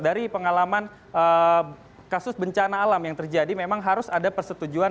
dari pengalaman kasus bencana alam yang terjadi memang harus ada persetujuan